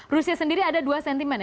rusia sendiri ada dua sentimen ya